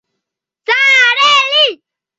Capas gruesas, carnosas y jugosas.